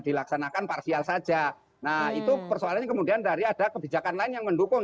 dilaksanakan parsial saja nah itu persoalannya kemudian dari ada kebijakan lain yang mendukung